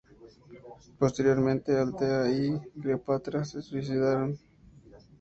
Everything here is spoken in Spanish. Posteriormente, Altea y Cleopatra se suicidaron.